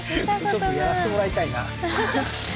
ちょっとやらせてもらいたいなはははっ